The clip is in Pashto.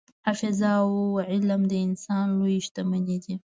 حافظه او علم د انسان لویې شتمنۍ دي.